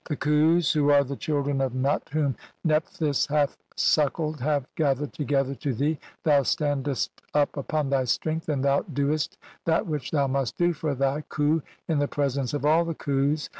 The Khus who are the children of Nut "whom Nephthys hath suckled have gathered together "to thee, thou standest up upon thy strength, and "thou doest that which thou must do for thy Khu "in the presence of all the Khus.